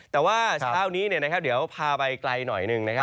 แต่ว่าเช้านี้เนี่ยนะครับเดี๋ยวพาไปไกลหน่อยหนึ่งนะครับ